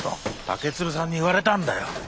竹鶴さんに言われたんだよ。